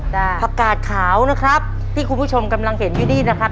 ผักกาดขาวนะครับที่คุณผู้ชมกำลังเห็นอยู่นี่นะครับ